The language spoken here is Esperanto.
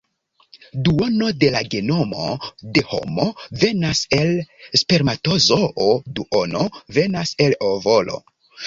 Duono de la genomo de homo venas el spermatozoo, duono venas el ovolo.